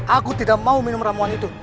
aku tidak mau minum ramuan itu